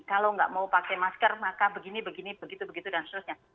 kalau nggak mau pakai masker maka begini begini begitu begitu dan seterusnya